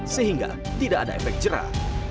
sehingga tidak ada efek jerah